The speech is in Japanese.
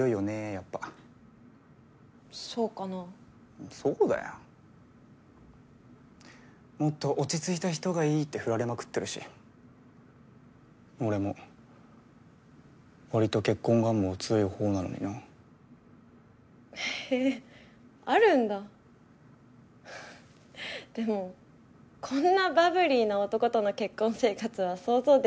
やっぱそうかなぁそうだよもっと落ち着いた人がいいって振られまくってるし俺もわりと結婚願望強いほうなのになへぇあるんだでもこんなバブリーな男との結婚生活は想像できないなぁ